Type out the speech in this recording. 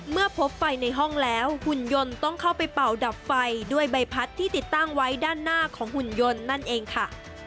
เมื่อพบไฟในห้องแล้วหุ่นยนต์ต้องเข้าไปเป่าดับไฟด้วยใบพัดที่ติดตั้งไว้ด้านหน้าของหุ่นยนต์นั่นเองค่ะ